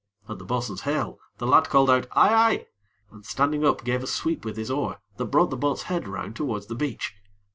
At the bo'sun's hail, the lad called out "I, I," and, standing up, gave a sweep with his oar that brought the boat's head round towards the beach.